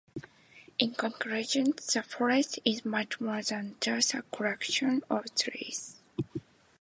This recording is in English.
In conclusion, the forest is much more than just a collection of trees.